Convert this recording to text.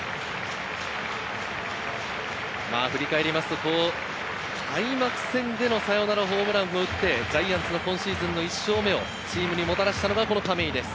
振り返ると開幕戦でのサヨナラホームランを打って、ジャイアンツの今シーズンの１勝目をチームにもたらしたのが亀井です。